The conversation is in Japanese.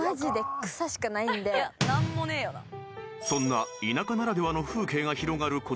［そんな田舎ならではの風景が広がる